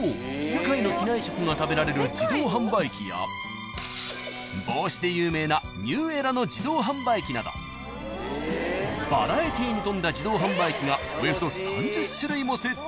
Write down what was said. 世界の機内食が食べられる自動販売機や帽子で有名なＮＥＷＥＲＡの自動販売機などバラエティーに富んだ自動販売機がおよそ］